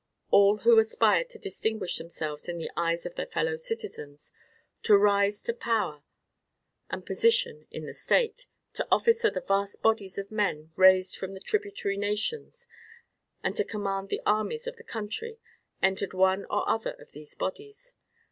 All who aspired to distinguish themselves in the eyes of their fellow citizens, to rise to power and position in the state, to officer the vast bodies of men raised from the tributary nations, and to command the armies of the country, entered one or other of these bodies.